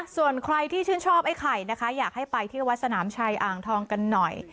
ส่วนใครที่ชื่นชอบไอ้ไข่นะคะอยากให้ไปที่วัดสนามชัยอ่างทองกันหน่อย